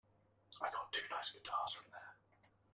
I got two nice guitars from there.